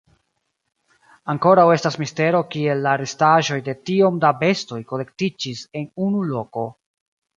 Ankoraŭ estas mistero kiel la restaĵoj de tiom da bestoj kolektiĝis en unu loko.